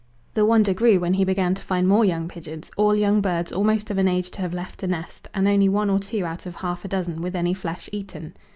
The wonder grew when he began to find more young pigeons, all young birds almost of an age to have left the nest, and only one or two out of half a dozen with any flesh eaten.